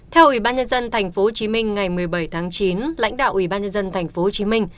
theo ủy ban nhân dân tp hcm ngày một mươi bảy tháng chín lãnh đạo ủy ban nhân dân tp hcm